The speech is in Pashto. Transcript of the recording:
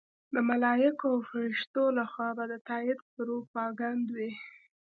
د ملایکو او فرښتو لخوا به د تایید پروپاګند وي.